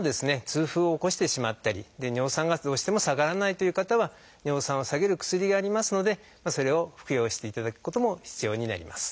痛風を起こしてしまったり尿酸がどうしても下がらないという方は尿酸を下げる薬がありますのでそれを服用していただくことも必要になります。